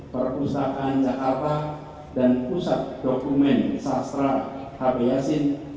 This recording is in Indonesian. perusahaan jakarta dan pusat dokumen sastra hp yasin